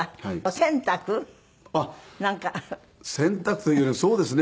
洗濯というよりそうですね。